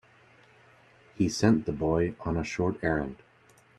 He sent the boy on a short errand.